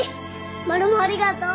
マルモありがとう。